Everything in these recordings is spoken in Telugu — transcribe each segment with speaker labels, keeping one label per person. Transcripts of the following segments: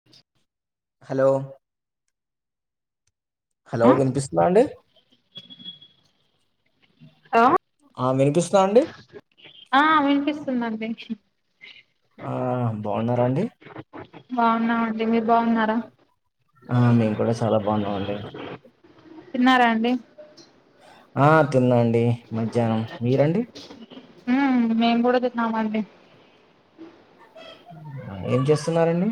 Speaker 1: అ
Speaker 2: హలో హలో వినిపిస్తుంద అండి
Speaker 1: అ
Speaker 2: ఆ వినిపిస్దాండి
Speaker 1: ఆ వినిపిస్తుందండి
Speaker 2: ఆ బాగున్నారా అండి
Speaker 1: బాగున్నామండి మీర్ బాగున్నారా
Speaker 2: ఆ మేమ్ కూడా చాలా బాగున్నాం అండి
Speaker 1: తిన్నారా అండి
Speaker 2: ఆ తిన్నండి మధ్యాహ్నం మీరండి
Speaker 1: హ్మ్ మేమ్ గూ డా తిన్నాం అండి
Speaker 2: ఏం చేస్తున్నారండి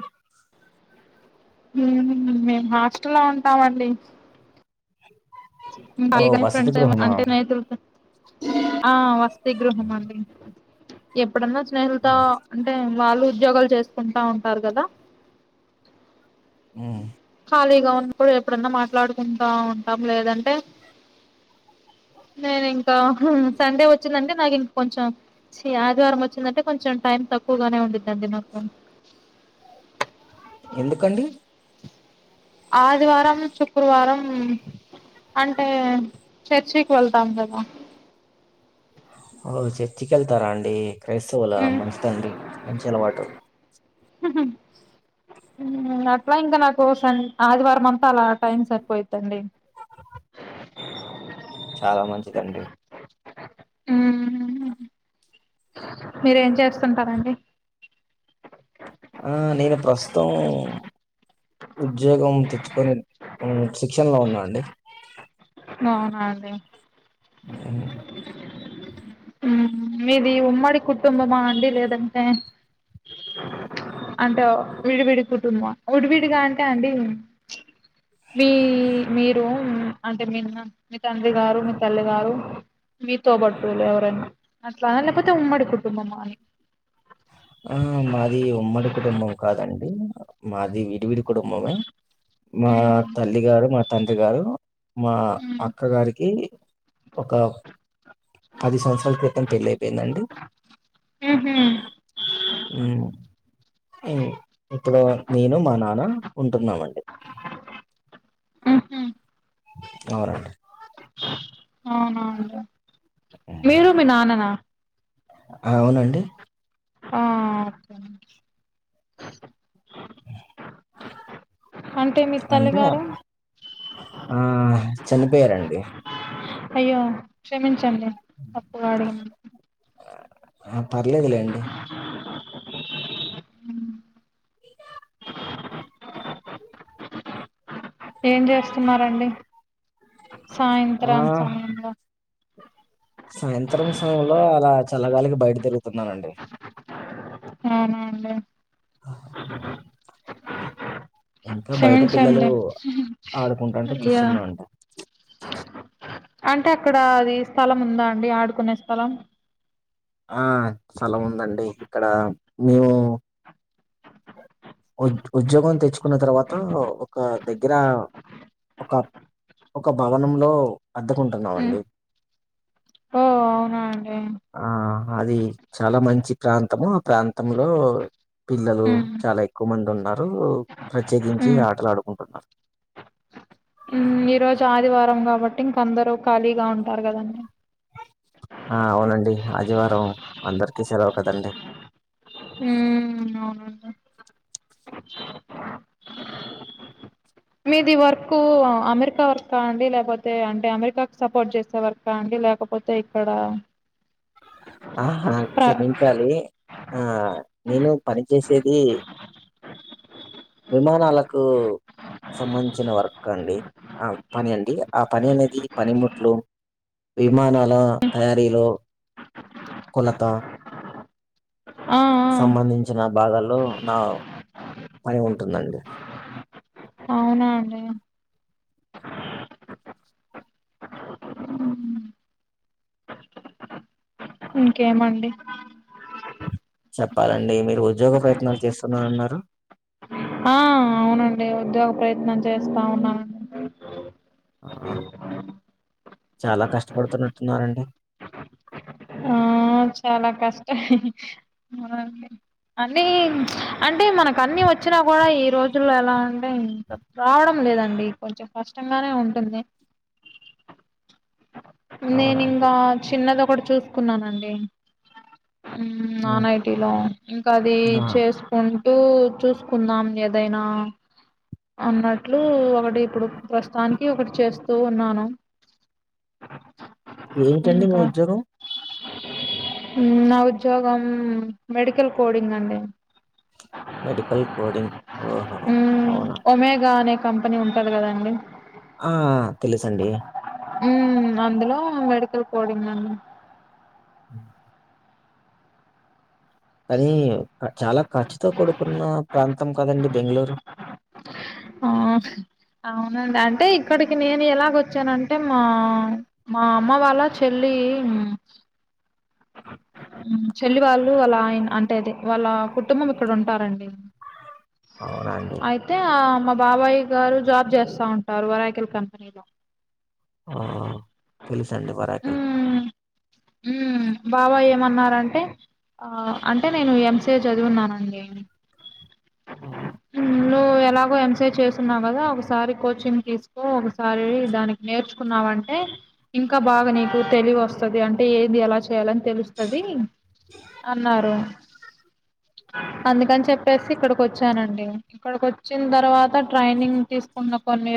Speaker 1: హ్మ్ మేమ్ హాస్టల్ లో ఉంటామండి [inaudible]
Speaker 2: ఓ వసతి గృహమా?
Speaker 1: వస్ తిగృహ మండి ఎప్పుడన్నా స్నేహితులతో అంటే వాళ్ళు ఉద్యోగాలు చేస్ కుంటా ఉంటారు కదా
Speaker 2: ఉం
Speaker 1: ఖాళీగా ఉన్నప్పుడు ఎప్పుడన్నా మాట్లాడుకుంటా ఉంటాం లేదంటే నేను ఇంకా సండే వచ్చిందంటే నాకు ఇంక కొంచెం చి ఆదివారం వచ్చిందంటే కొంచెం టైం తక్కువగానే ఉండద్దండి నాకు
Speaker 2: ఎందుకండి
Speaker 1: ఆదివారం శుక్రవారం అంటే చర్చికి వెళ్తాం కదా
Speaker 2: ఓ చర్చికి వెళ్తారా అండి క్రైస్తవుల మంచిదండి మంచి అలవాటు
Speaker 1: అట్లా ఇంకా నాకు సన్ ఆదివారం మ చాలా టైం సరిపోయిదండి
Speaker 2: చాలా మంచిదండి
Speaker 1: ఉం మీరేం చేస్తుంటారండి
Speaker 2: ఆ నేను ప్రస్తుతం ఉద్యోగం తెచ్చుకొని ఉం శిక్షణ లో ఉన్నాండి
Speaker 1: అవునా అండి
Speaker 2: ఆ [unintelligible]
Speaker 1: ఉం మీది ఉమ్మడి కుటుంబమా అండి లేదంటే అంటే విడివిడి కుటుంబం విడివిడిగా అంటే అండి వీ మీరు అంటే మీన్న మీ తండ్రి గారు మీ తల్లి గారు మీ తోబుట్టులు ఎవరైనా అట్లానా లేకపోతే ఉమ్మడి కుటుంబమ అని
Speaker 2: ఆ మాది ఉమ్మడి కుటుంబం కాదండి మాది విడివిడి కుటుంబమే మా
Speaker 1: మ్మ్
Speaker 2: తల్లి గారు మా తండ్రి గారు మా అక్క గారికి ఒక పది సంవత్సరాల క్రితం పెళ్ళి అయి పోయిందండి
Speaker 1: హు హామ్
Speaker 2: ఉం ఉ ఇప్పుడూ నేను మా నాన్న ఉంటున్నామండి.
Speaker 1: హు హామ్
Speaker 2: అవునండి
Speaker 1: అవునా అండి మీరు మీ నాన్ననా?
Speaker 2: అవునండి
Speaker 1: ఆ అంటే మీ
Speaker 2: అంటే
Speaker 1: తల్లిగారు
Speaker 2: ఆ చనిపోయారండి.
Speaker 1: అయ్యో క్షమించండి తప్పుగా అడిగినా
Speaker 2: ఆ పర్లేదు లెండి
Speaker 1: ఎంచేస్తున్నారండీ
Speaker 2: ఆ
Speaker 1: సాయంత్రం సమయంలో
Speaker 2: సాయంత్రం సమయంలో అలా చల్లగాలికి బయట తిరుగుతున్నానండి
Speaker 1: అవునా అండి
Speaker 2: ఇంకా బయట పిల్లలు
Speaker 1: క్షమించండి
Speaker 2: ఆడుకుంటుంటే
Speaker 1: ఇగ
Speaker 2: చూస్తున్నానండి
Speaker 1: అంటే అక్కడ అది స్థలం ఉందా అండి ఆడుకునే స్థలం
Speaker 2: ఆ స్థలం ఉందండి ఇక్కడా మేము ఉద్ ఉద్యోగం తెచ్చుకున్న తర్వాత ఒక దగ్గర ఒక ఒక భవనంలో అద్దెకుంటున్నామండి
Speaker 1: ఓ అవునా అండి
Speaker 2: ఆ అది చాల మంచి ప్రాంతము, ఆ ప్రాంతంలో పిల్లలు
Speaker 1: ఉమ్
Speaker 2: చాలా ఎక్కువ మంది ఉన్నారు, ప్రత్యేకించి
Speaker 1: ఉమ్
Speaker 2: ఆటలు ఆడుకుంటున్నారు.
Speaker 1: మ్మ్ ఈ రోజు ఆదివారం కాబట్టి, ఇంక అందరూ ఖాళీగా ఉంటారు కదండీ
Speaker 2: ఆ అవునండి ఆదివారం అందరికిీ సెలవు కదండి.
Speaker 1: హ్మ్ అవునండి. [unintelligible] మీది వర్క్ అమెరికా వర్క్ ఆ అండి! లేకపోతే, అంటే అమెరికాకి సపోర్ట్ చేసే వర్ కా అండి లేకపోతే ఇక్కడ
Speaker 2: ఆహా
Speaker 1: ప్ర
Speaker 2: క్షమించాలి ఆ నేను పనిచేసేది విమానాలకు సంబంధించిన వర్క్ అండి. ఆ పని అండి ఆ పని అనేది పనిముట్లు విమానాల తయారీలో కొలత
Speaker 1: ఆ
Speaker 2: సంబంధించిన భాగాల్లో నా పని ఉంటుందండి.
Speaker 1: అవునా అండి ఇంకేమండి
Speaker 2: చెప్పాలండి మీరు ఉద్యోగ ప్రయత్నాలు చేస్తున్నా అన్నారు
Speaker 1: ఆ అవునండి ఉద్యోగ ప్రయత్నం చేస్తా ఉన్నానన్ మ్
Speaker 2: ఆ చాలా కష్టపడుతున్నట్టున్నారండి.
Speaker 1: ఆ చాలా కష్ట అవునండి. అండి అంటే మనకి అన్ని వచ్చినా కూడా ఈ రోజుల్లో ఎలా అంటే ఇంకా రావడం లేదండి కొంచెం కష్టంగానే ఉంటుంది.
Speaker 2: అవునా అండి
Speaker 1: నేనింగా చిన్నదొకటి చూసుకున్నానండి. మ్
Speaker 2: ఉమ్
Speaker 1: నాన్ ఐటిలో ఇంక అదీ
Speaker 2: ఆ
Speaker 1: చేస్ ఉంటూ చూసుకుందాం ఏదైనా అన్నట్లు ఒకటి ఇప్పుడు ప్రస్తుతానికి ఒకటి చేస్తూ ఉన్నాను.
Speaker 2: ఏంటండి మీ
Speaker 1: ఇంకా
Speaker 2: ఉద్యోగం
Speaker 1: మ్ నా ఉద్యోగం మెడికల్ కోడింగ్ అండి
Speaker 2: మెడికల్ కోడింగ్ ఓహో
Speaker 1: మ్మ్
Speaker 2: అవునా!
Speaker 1: ఒమేగా అనే కంపెనీ ఉంటది కదండి
Speaker 2: ఆ తెలుసండి.
Speaker 1: మ్ అందులో మెడుకల్ కోడింగ్ అన్
Speaker 2: [inaudible] కానీ చాలా ఖర్చుతో కూడు కున్న ప్రాంతం కదండి బెంగళూరు
Speaker 1: ఆ అవునండి అంటే ఇక్కడికి నేను ఎలాగొచ్చానంటే మా మా అమ్మ వాళ్ళ చెల్లీ ఉమ్ మ్ చెల్లి వాళ్ళు వాళ్ళ ఆయన అంటే అదే వాళ్ళ కుటుంబం ఇక్కడ ఉంటారండి
Speaker 2: అవునా అండి
Speaker 1: అయితే ఆ మా బాబాయి గారు జాబ్ చేస్తా ఉంటారు ఒరాకిల్ కంపెనీలో
Speaker 2: ఆ తెలుసండి ఒరాకిల్
Speaker 1: మ్మ్ మ్మ్ బాబాయ్ ఏమన్నారంటే ఆ అంటే నేను ఎంసిఎ చదివున్నానండి [unintelligible]
Speaker 2: ఆ
Speaker 1: ఉమ్ లో నువ్ ఎలాగో ఎంసిఏ చేస్తున్నావ్ కదా ఒకసారి కోచింగ్ తీసుకో ఒకసారి దానికి నేర్చుకున్నావంటే ఇంకా బాగా నీకు తెలివి వస్తది అంటే ఏది ఎలా చేయాలని తెలుస్తాద అన్నారు అందుకని చెప్పేసి ఇక్కడికి ఒచ్చానండి ఇక్కడకి ఒచ్చిన తర్వాత ట్రైనింగ్ తీసుకున్న కొన్నీ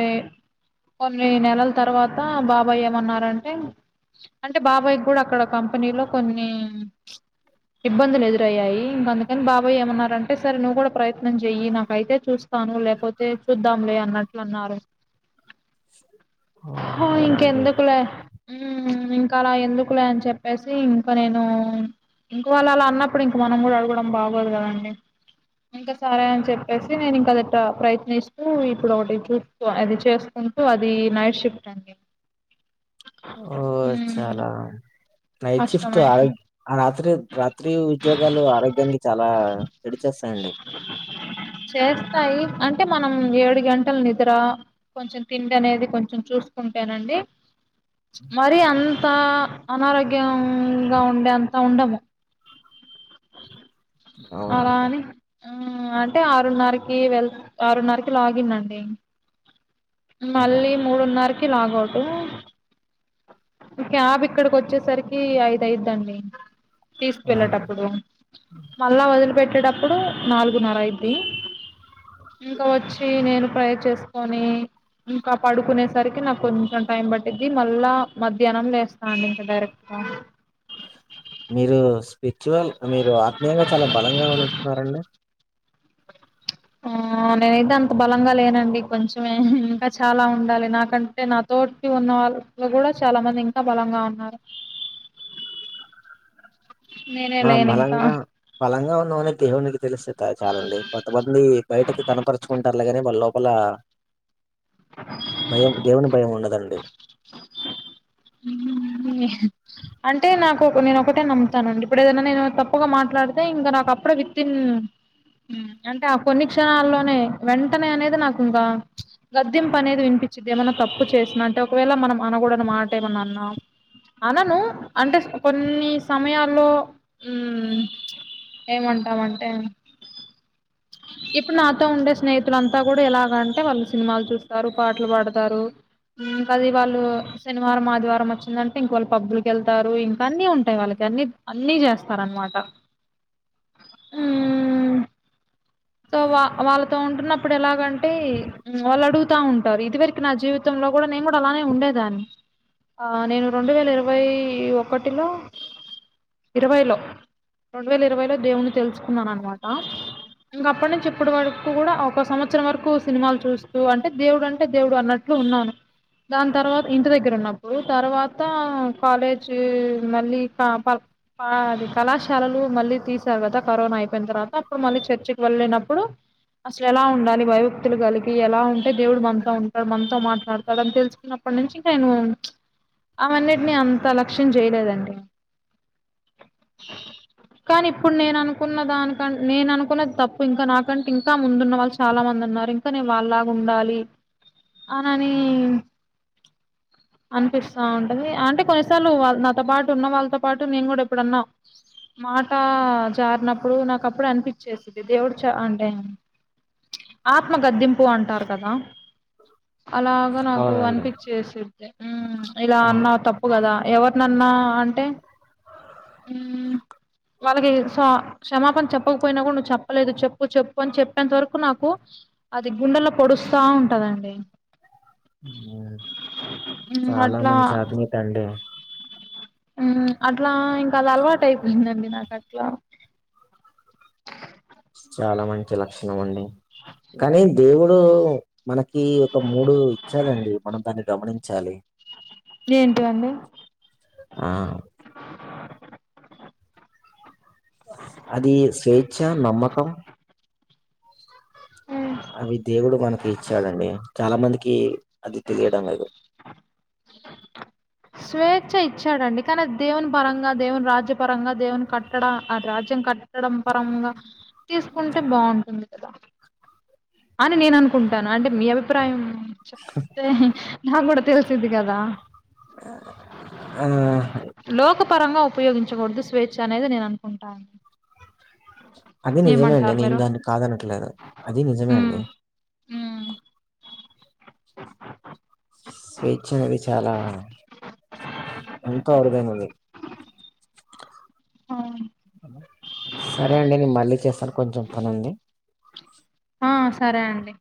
Speaker 1: కొన్ని నెలల తర్వాత బాబాయ్ ఏమన్నారంటే అంటే బాబాయ్ గుడా అక్కడ కంపెనీలో కొన్నీ ఇబ్బందులు ఎదురయ్యాయి ఇంక అందుకని బాబాయ్ ఏమన్నారంటే సరే నువ్వు కూడా ప్రయత్నం చెయి నాకైతే చూ స్తాను లేకపోతే చూద్దాంలే అన్నట్లు అన్నారు ఓ
Speaker 2: అవునా అండి
Speaker 1: ఇంకెందుకులే ఉమ్మ్ ఇంక అలా ఎందుకులే అని చె పెసి ఇంకా నేనూ ఇంకొ వాళ్ళు అలా అన్నప్పుడు ఇంక మనం గుడా అడగడం బాగోదు కదండి ఇంకా సరే అని చెప్పేసి నేను ఇంక అదట ప్రయత్నిస్తూ ఇప్పుడు ఒకటి చూ స్తూ అది చేసుకుంటూ అది నైట్ షిఫ్ట్ అండి
Speaker 2: ఓ
Speaker 1: ఉమ్
Speaker 2: చాలా నైట్ షిఫ్ట్
Speaker 1: కష్టమే
Speaker 2: ఆరో అత్రి రాత్రి ఉద్యోగాలు ఆరోగ్యానికి చాలా చెడు చేస్తాయండి
Speaker 1: చేస్తాయి అంటే మనం ఏడు గంటలు నిద్రా కొంచెం తిండి అనేది కొంచెం చూసుకుంటేనండి మరి అంతా అనారోగ్యంగా ఉండే అంత ఉండము
Speaker 2: అవునా
Speaker 1: అలా
Speaker 2: అండి
Speaker 1: అని ఆ అంటే ఆరున్నరకి వెళ్ ఆరున్నరకి లాగిన్ అండి
Speaker 2: అవునా
Speaker 1: మళ్ళీ మూడున్నరకి లాగౌట్ క్యాబ్ ఇక్కడికి ఒచ్చేసరికీ ఐదు ఆయిద్దండి
Speaker 2: ఆ!
Speaker 1: తీసుకెళ్ళేటప్పుడు మళ్ళ వొదిలి పెట్టేటప్పుడు నాలుగున్నర అయిద్ది ఇంకా వచ్చి నేను ప్రై చేసుకొని ఇంకా పడుకునేసరికి నాకు కొంచెం టైం పట్టిద్ది మళ్ళా మధ్యాహ్నం లేేస్తాను ఇంకా డైరె క్ట్గా
Speaker 2: మీరు స్పిర్చువాల్ మీరు ఆత్మీయంగా చాలా బలంగా ఉన్నట్టున్నారండి
Speaker 1: అ ఆ నేనైతే అంత బలంగా లేనండి కొంచమే ఇంకా చాలా ఉండాలి నాకంటే నాతోటికి ఉన్నవా ళ్లు కూడా చాలా మంది ఇంకా బలంగా ఉన్నారు నేనే
Speaker 2: మా
Speaker 1: లేను ఇంకా
Speaker 2: బలంగా బలంగా ఉన్నామని దేవునికి తెలిస్తే చాలండి కొంతమంది బయటకి కనపరుచుకుంటారులే గానీ వాళ్లు లోపల భయం దేవుని భయం ఉండదండి
Speaker 1: ఉమ్మ్ అంటే నాకు ఒక నేను ఒకటే నమ్ముతానండి ఇప్పుడు ఏదైనా నేను తప్పుగా మాట్లాడితే ఇంగ నాకు అప్పుడే విత్ఇన్ ఉమ్మ్ అంటే ఆ కొన్ని క్షణాల్లోనే వెంటనే అనేది నాకు ఇంగ గదింపు అనేది వినిపిచ్చిద్ది ఏమన్నా తప్పు చేసిన అంటే ఒకవేళ మనం అనగూడని మాట ఏమన్నా అన్నా అనను అంటే కొన్ని సమయాల్లో ఉమ్మ్ ఏమంటామంటే ఇప్పుడు నాతో ఉండే స్నేహితులంతా కూడా ఎలాగ అంటే వాళ్ళు సినిమాలు చూస్తారు పాటలు పాడుతారు ఇంకా అది వాళ్లు శనివారం ఆదివారం వచ్చిందంటే ఇంక శనివారం ఆదివారం వచ్చిందంటే వాళ్ళు పబ్బులకి వెళ్తారు ఇంకా అన్నీ ఉంటాయి వాళ్ళకి అన్ని అన్ని చేస్తారు అనమాట ఉమ్ సో వా వాళ్ళతో ఉంటున్నప్పుడు ఎలాగంటే వాళ్ళు అడుగుతా ఉం ఇది వరకు నా జీవితంలో గూడా నేను గూడా అలానే ఉండేదాన్ని ఆ నేను రెండు వేల ఇరవై ఒకటిలో ఇరవైలో రెండు వేల ఇరవైలో దేవుని తెలుసుకున్నాను అన్నమాట ఇంగ అప్పటి నుంచి ఇప్పటి వరకు కూడా ఒక సంవత్సరం వరకు సినిమాలు చూస్తూ అంటే దేవుడు అంటే దేవుడు అన్నట్టు ఇప్పుడు ఉన్నాను దాని తర్వాత ఇంటి దగ్గర ఉన్నప్పుడు తర్వాత కాలేజీ మళ్ళీ ప ప పా కళాశాలలు మళ్ళీ తీసారు కరోనా అయిపోయిన తర్వాత అప్పుడు మళ్ళీ చర్చికి లేనప్పుడు అసలు ఎలా ఉండాలి వైభక్తులు కలిగి ఎలా ఉంటే దేవుడు మనతో ఉంటాడు మనతో మాట్లాడతాడు అని తెలుసు అప్పటి నుంచి ఇంకా నేను అవన్నిటిని అంత లక్ష్యం చేయలేదండి కానీ ఇప్పుడు నేను అనుకున్న దానిక నేను అనుకున్న తప్పు ఇ ఇంకా నాకంటే ఇంకా ముందున్న వాళ్ళు చాలా మంది ఉన్నారు ఇంకా నె వాళ్ళలాగా ఉండాలి అననీ అనిపిస్తా ఉంటంది అంటే కొన్నిసార్లు నాతో పాటు ఉన్న వాళ్ళతో పాటు నేను కూడా ఇప్పుడున్నా మాట జారినప్పుడు నాకు అప్పుడే అనిపించేది దేవుడు చ అంటే ఆత్మగదింపు అంటారు కదా అలాగా నాకు
Speaker 2: అవునండి.
Speaker 1: అనిపించిసి ఇలా
Speaker 2: ఆ!
Speaker 1: అన్నా తప్పు తాప్పు గదా ఎవరినన్నా అంటే వాళ్ళకి స్వ క్షమాపణ చెప్పకపోయినా కూడా నువ్వు చెప్ప చెప్పాలేదు చెప్పు చెప్పు అని చెప్పేంత వరకు నాకు అది గుండెలో పొడుస్తా ఉంటదండి
Speaker 2: ఊ
Speaker 1: హ్మ్
Speaker 2: చాలా
Speaker 1: అట్లా
Speaker 2: మంచి అభినిక్ అండి
Speaker 1: అట్లా ఇంకా అది అలవాటు అయిపోయిందండి నాకు అట్లా
Speaker 2: చాలా మంచి లక్షణం అండి
Speaker 1: అ
Speaker 2: కానీ దేవుడు మనకి ఒక మూడు ఇచ్చాడండి మనం దాన్ని గమనించాలి
Speaker 1: ఏంటివండి
Speaker 2: ఆ అది స్వేచ్చ నమ్మకం
Speaker 1: హ్మ్.
Speaker 2: అవి దేవుడు మనకి ఇచ్చాడండి చాలా మందికి అది తెలియడంలేదు
Speaker 1: స్వేచ్ఛ ఇచ్చాడండి కానీ దేవుని పరంగా దేవుని రాజ్య పరంగా దేవుని కట్టడ ఆ రాజ్యం కట్ట కట్టడం పరంగా తీసుకుంటే బాగుంటుంది కదా అని నేను అనుకుంటాను అంటే మీ అభిప్రాయం చెప్తే నాకు కూడా తెలిసిది కదా
Speaker 2: ఆ
Speaker 1: లోక పరంగా ఉపయోగించకూడదు స్వేచ్ఛ అనేది నేను అనుకుంటా
Speaker 2: అది నిజమే అండి నేను
Speaker 1: మీరు
Speaker 2: దాన్ని కాదనట్లేదు అది నిజమే అండి
Speaker 1: హ్మ్
Speaker 2: స్వేచ్ఛ అనేది చాలా ఎంతో అరుదైనది
Speaker 1: ఆ
Speaker 2: సరే అండి నేను మళ్ళీ చేస్తాను కొంచెం పని ఉంది
Speaker 1: ఆ సరే అండి